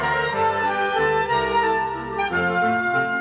สวัสดีครับสวัสดีครับ